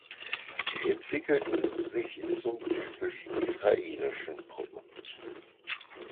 Sie entwickelten sich zum typisch israelischen Produkt.